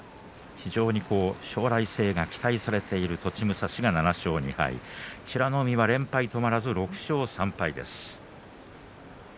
非常に将来性が期待されている栃武蔵が７勝２敗美ノ海は連敗止まらずに６勝３敗です。